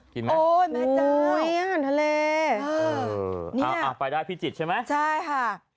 กินไหมโอ้ยแม่จ้าวนี่อ่ะทะเลอ่าไปได้พิจิตรใช่ไหมใช่ค่ะ